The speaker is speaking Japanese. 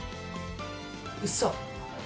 うそ！